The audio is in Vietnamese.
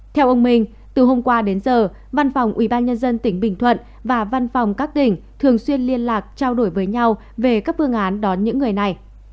theo ông minh từ hôm qua đến giờ văn phòng ubnd tỉnh bình thuận và văn phòng các tỉnh thường xuyên liên lạc trao đổi với nhau về các phương án đón những người này